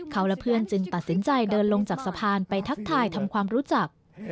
เขาและเพื่อนจึงตัดสินใจเดินลงจากสะพานไปทักทายทำความรู้จัก